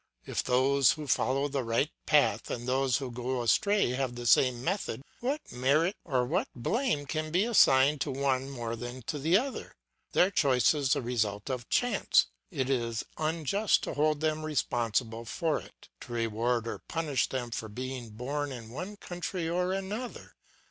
If those who follow the right path and those who go astray have the same method, what merit or what blame can be assigned to one more than to the other? Their choice is the result of chance; it is unjust to hold them responsible for it, to reward or punish them for being born in one country or another.